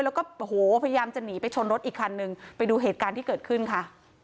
แล้วก็โอ้โหพยายามจะหนีไปชนรถอีกคันนึงไปดูเหตุการณ์ที่เกิดขึ้นค่ะ